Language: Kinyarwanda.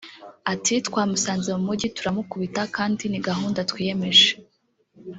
ati” Twamusanze mu mujyi turamukubita kandi ni gahunda twiyemeje